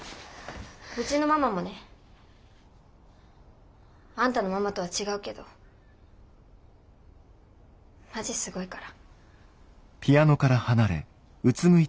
うちのママもねあんたのママとは違うけどマジすごいから。